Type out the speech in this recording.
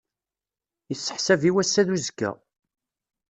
Isseḥsab i wass-a d uzekka.